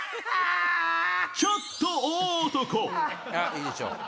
いいでしょう。